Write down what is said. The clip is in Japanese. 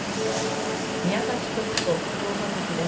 宮崎局と福岡局です。